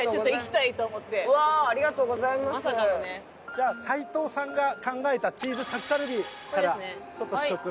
じゃあ齊藤さんが考えたチーズタッカルビからちょっと試食。